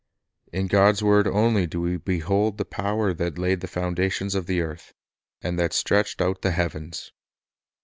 In God's word only do we behold the power that laid the foundations of the earth, and that stretched out the heavens.